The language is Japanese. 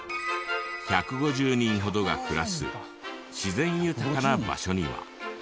１５０人ほどが暮らす自然豊かな場所には。